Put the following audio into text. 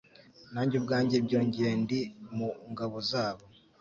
nanjye ubwanjye byongeye ndi mu ngabo zabo